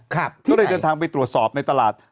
ก็เลยเดินทางไปตรวจสอบในตลาด